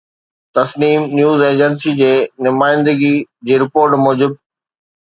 Tasneem news agency جي نمائندي جي رپورٽ موجب.